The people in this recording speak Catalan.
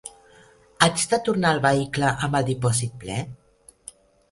Haig de tornar el vehicle amb el dipòsit ple?